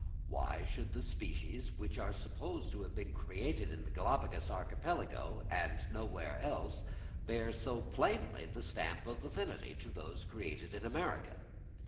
Why should the species which are supposed to have been created in the Galapagos Archipelago, and nowhere else, bear so plainly the stamp of affinity to those created in America?